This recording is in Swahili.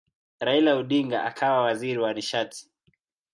Raila Odinga akawa waziri wa nishati.